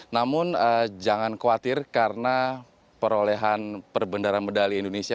namun jangan khawatir karena perolehan perbendaran medali indonesia